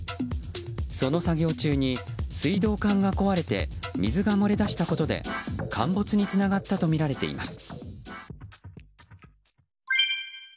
その作業中に水道管が壊れて水が漏れ出したことで陥没につながったとみられています。